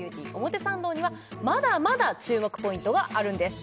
表参道にはまだまだ注目ポイントがあるんです